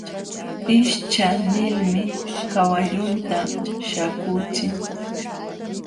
Hishcha nilmi kawallunta śhaakuuchin.